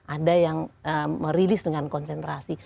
ada yang merilis dengan konsentrasi